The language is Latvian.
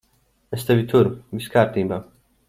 Es tevi turu. Viss kārtībā.